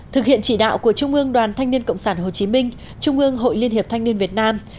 thực hiện chỉ đạo của trung ương đoàn thanh niên cộng sản hồ chí minh trung ương hội liên hiệp thanh niên việt nam